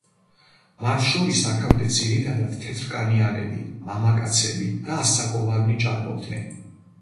მათ შორის აქამდე ძირითადად თეთრკანიანები, მამაკაცები და ასაკოვანნი ჭარბობდნენ.